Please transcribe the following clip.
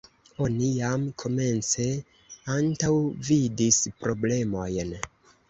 Oni jam komence antaŭvidis problemojn.